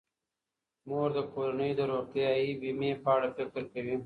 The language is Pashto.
مور د کورنۍ د روغتیايي بیمې په اړه فکر کوي.